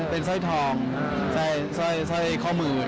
เป็นสร้อยทองสร้อยข้อมือ